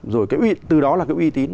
rồi từ đó là cái uy tín